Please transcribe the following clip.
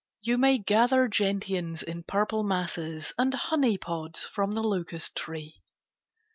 You may gather gentians in purple masses And honeypods from the locust tree.